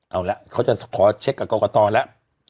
เอาละเขาจะขอเช็คกับกรกตแล้ว